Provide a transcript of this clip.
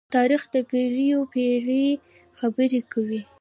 تاریخ د پېړيو پېړۍ خبرې کوي.